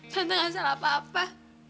tante gak salah apa apa